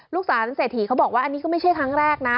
สารเศรษฐีเขาบอกว่าอันนี้ก็ไม่ใช่ครั้งแรกนะ